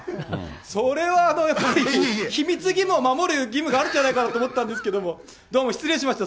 それはやっぱり秘密義務を守る義務があるんじゃないかなと思ったんですけど、どうも失礼しました。